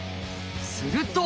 すると。